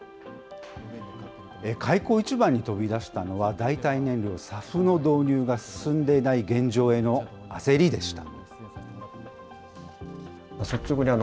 開口一番に飛び出したのは、代替燃料、ＳＡＦの導入が進んでいない現状への焦りでした。